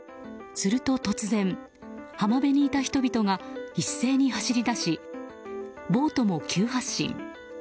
すると突然、浜辺にいた人々が一斉に走り出しボートも急発進。